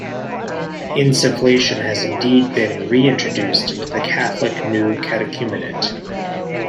Insufflation has indeed been re-introduced into the Catholic new catechumenate.